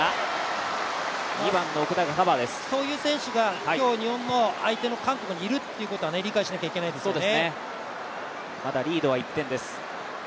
そういう選手が今日の日本の相手の韓国にいるということは理解しなくてはいけませんね。